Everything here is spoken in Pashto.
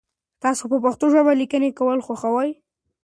تاسو په پښتو ژبه لیکنه کول خوښوئ؟